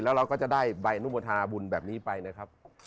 แล้วเราก็จะได้ใบอนุโมทนาบุญแบบนี้ไปนะครับ